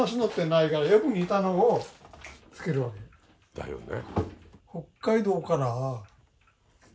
だよね。